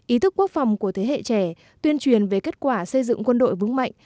ý thức quốc phòng của thế hệ trẻ tuyên truyền về kết quả xây dựng quân đội vững mạnh